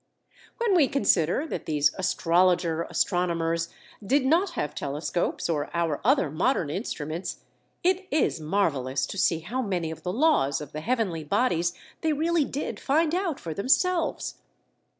When we consider that these astrologer astronomers did not have telescopes or our other modern instruments, it is marvelous to see how many of the laws of the heavenly bodies they really did find out for themselves.